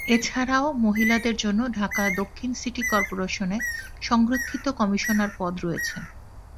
এছাড়াও মহিলাদের জন্য ঢাকা দক্ষিণ সিটি কর্পোরেশনে সংরক্ষিত কমিশনার পদ রয়েছে।